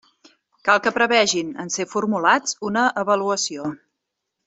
Cal que prevegin, en ser formulats, una avaluació.